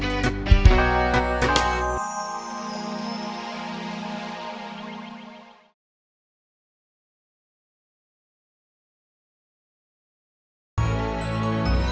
delapan satu komandan